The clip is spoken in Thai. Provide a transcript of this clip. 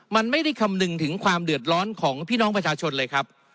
มันไม่ได้คำนึงถึงความเดือดร้อนของพี่น้องประชาชนเลยครับ